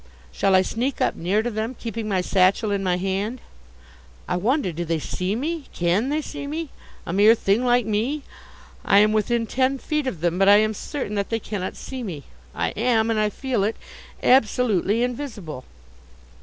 Shall I sneak up near to them, keeping my satchel in my hand? I wonder, do they see me? Can they see me, a mere thing like me? I am within ten feet of them, but I am certain that they cannot see me. I am, and I feel it, absolutely invisible.